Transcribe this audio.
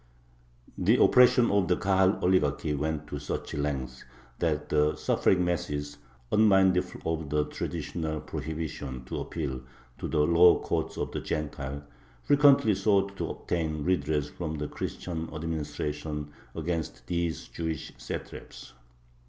The oppression of the Kahal oligarchy went to such lengths that the suffering masses, unmindful of the traditional prohibition to appeal to the "law courts of the Gentiles," frequently sought to obtain redress from the Christian administration against these Jewish satraps.